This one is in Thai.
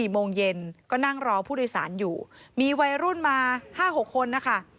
โมงเย็นก็นั่งรอผู้โดยสารอยู่มีวัยรุ่นมา๕๖คนนะคะ